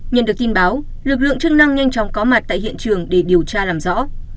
nhận được tin báo lực lượng chức năng nhanh chóng có mặt tại hiện trường để điều tra làm rõ